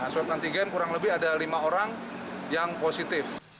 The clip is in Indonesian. swab antigen kurang lebih ada lima orang yang positif